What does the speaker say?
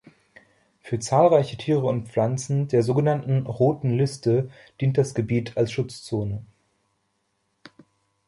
Für zahlreiche Tiere und Pflanzen der sogenannten Roten Liste dient das Gebiet als Schutzzone.